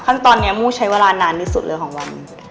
ขั้นตอนนี้มู่ใช้เวลานานที่สุดเลยของวัน